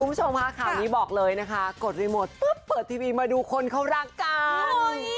คุณผู้ชมค่ะข่าวนี้บอกเลยนะคะกดรีโมทปุ๊บเปิดทีวีมาดูคนเขารักกัน